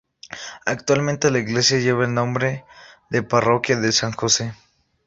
Actualmente la iglesia lleva el nombre de "Parroquia de San Jose".